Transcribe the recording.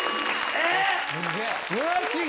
えっ！？